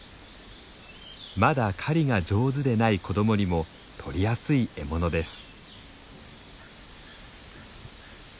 まだ狩りが上手でない子どもにもとりやすい獲物です。